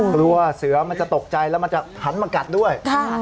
กลัวเสือมันจะตกใจแล้วมันจะหันมากัดด้วย